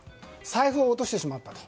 財布を落としてしまったと。